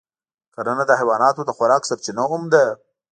کرنه د حیواناتو د خوراک سرچینه هم ده.